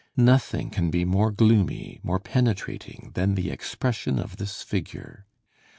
Nothing can be more gloomy, more penetrating, than the expression of this figure.